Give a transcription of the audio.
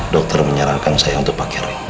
dokter menyarankan saya untuk pakai rem